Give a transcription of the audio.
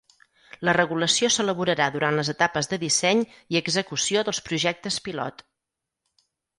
La regulació s'elaborarà durant les etapes de disseny i execució dels projectes pilot.